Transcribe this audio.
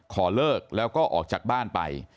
ขอเลิกแล้วก็ออกจากบ้านไป